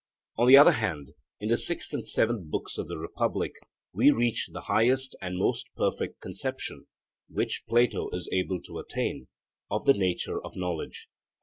On the other hand, in the 6th and 7th books of the Republic we reach the highest and most perfect conception, which Plato is able to attain, of the nature of knowledge.